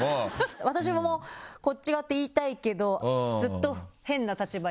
私もこっち側って言いたいけどずっと変な立場に。